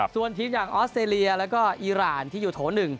ส่วนทีมอย่างออสเตรเลียแล้วก็อีรานที่อยู่โถ๑